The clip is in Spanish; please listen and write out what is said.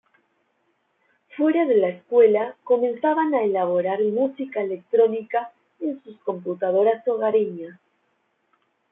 Fuera de la escuela, comenzaban a elaborar música electrónica en sus computadoras hogareñas.